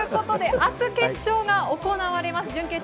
明日決勝が行われます準決勝。